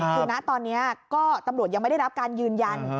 คือนะตอนนี้ก็ตำรวจยังไม่ได้รับการยืนยัน